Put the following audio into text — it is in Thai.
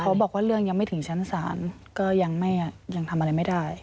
บอกว่าเรื่องยังไม่ถึงชั้นศาลก็ยังทำอะไรไม่ได้